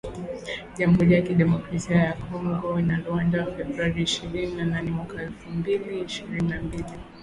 jamhuri ya kidemokrasia ya Kongo na Rwanda, Februari ishirini na nane mwaka elfu mbili ishirini na mbili